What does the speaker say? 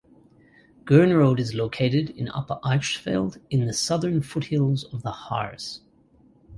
Gernrode is located in Upper Eichsfeld in the southern foothills of the Harz.